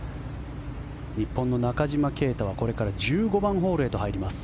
日本の中島啓太は、これから１５番ホールへと入ります。